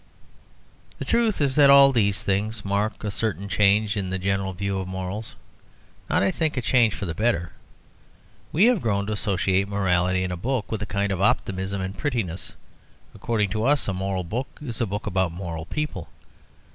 The truth is that all these things mark a certain change in the general view of morals; not, I think, a change for the better. We have grown to associate morality in a book with a kind of optimism and prettiness; according to us, a moral book is a book about moral people.